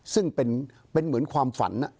ซึ่งเป็นเหมือนความฝัน